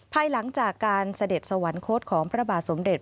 ภายหลังจากการเสด็จสวรรคตของพระบาทสมเด็จ